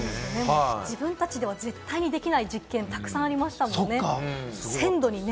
自分たちでは絶対にできない実験、たくさんありましたもんね。